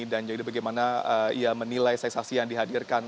dan juga bagaimana ia menilai sensasi yang dihadirkan